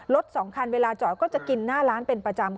๒คันเวลาจอดก็จะกินหน้าร้านเป็นประจำ